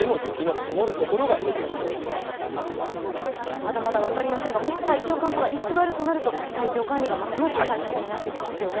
まだまだ分かりませんが、もし最強寒波が居すわるとなると体調管理がますます大事になってきますよね。